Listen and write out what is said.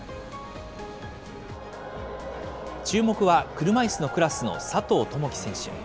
注目は、車いすのクラスの佐藤友祈選手。